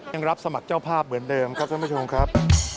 ยังรับสมัครเจ้าภาพเหมือนเดิมครับท่านผู้ชมครับ